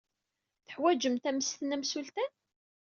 Teḥwajemt ammesten amsultan?